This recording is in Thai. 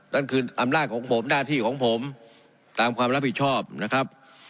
นั่นคืออำนาจของผมหน้าที่ของผมตามความรับผิดชอบนะครับ